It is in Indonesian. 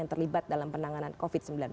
yang terlibat dalam penanganan covid sembilan belas